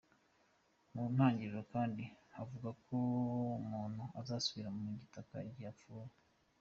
Mu itangiriro kandi havuga ko muntu azasubira mu gitaka igihe apfuye.